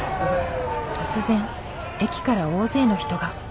突然駅から大勢の人が。